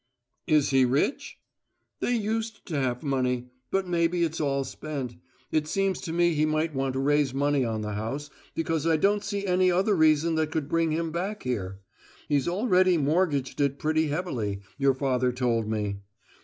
"Is he rich?" "They used to have money, but maybe it's all spent. It seemed to me he might want to raise money on the house, because I don't see any other reason that could bring him back here. He's already mortgaged it pretty heavily, your father told me.